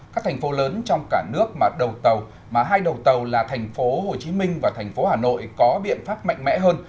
các thành phố lớn trong cả nước mà hai đầu tàu là tp hcm và tp hcm có biện pháp mạnh mẽ hơn